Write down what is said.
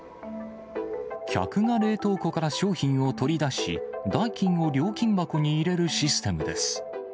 客が冷凍庫から商品を取り出し、代金を料金箱に入れるシステムです。